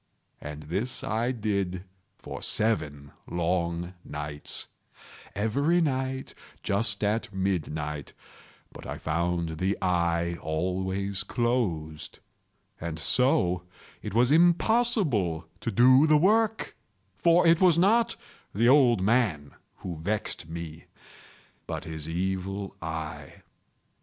And this I did for seven long nights—every night just at midnight—but I found the eye always closed; and so it was impossible to do the work; for it was not the old man who vexed me, but his Evil Eye.